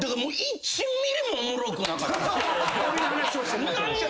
何にもおもろくなかった。